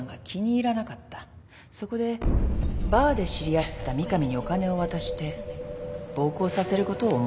そこでバーで知り合った三上にお金を渡して暴行させることを思い付いた。